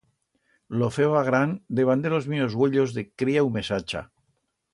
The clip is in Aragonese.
Lo feba gran debant de los míos uellos de cría u mesacha.